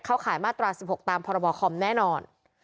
ขายมาตรา๑๖ตามพรบคอมแน่นอน